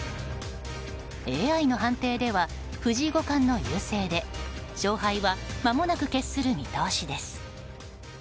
ＡＩの判定では藤井五冠の優勢で勝敗はまもなく決する見通しです。